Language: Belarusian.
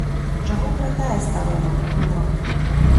Чаго кратае старога, хворага?